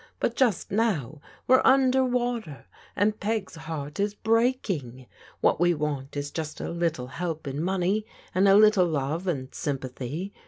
But just no9f we're under water, and Peg's heart is breaking. What we want is just a little help in money and a little love and sympathy.